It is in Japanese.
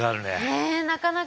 ねえなかなか。